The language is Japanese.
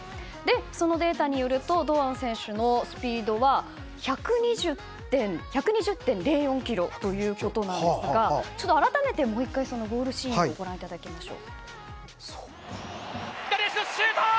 そのデータによると堂安選手のスピードは１２０．０４キロということなんですが改めてもう１回、ゴールシーンをご覧いただきましょう。